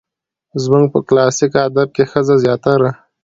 زموږ په کلاسيک ادب کې ښځه زياتره